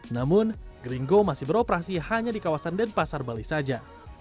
namun gringo masih beroperasi hanya di kawasan denpasar bali saja